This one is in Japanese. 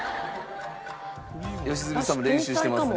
良純さんも練習してますね？